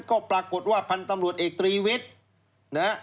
ก็ปรากฏว่าพันธุ์ตำรวจเอกตรีวิทย์นะฮะ